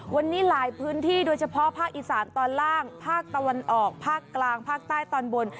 วันนี้หลายพื้นที่โดยเฉพาะภาคอีสานตอนล่างภาคตะวันออกภาคกลางภาคใต้ตอนบน